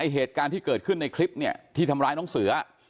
เหตุการณ์ที่เกิดขึ้นในคลิปเนี่ยที่ทำร้ายน้องเสือ